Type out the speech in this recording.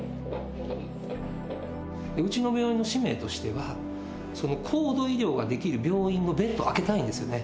うちの病院の使命としては、高度医療ができる病院のベッドを空けたいんですよね。